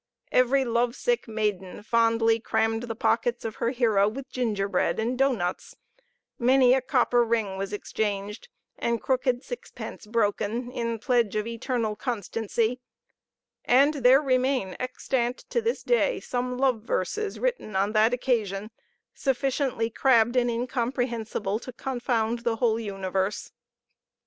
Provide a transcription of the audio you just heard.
Every love sick maiden fondly crammed the pockets of her hero with gingerbread and doughnuts; many a copper ring was exchanged, and crooked sixpence broken, in pledge of eternal constancy: and there remain extant to this day some love verses written on that occasion, sufficiently crabbed and incomprehensible to confound the whole universe.